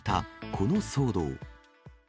この騒動。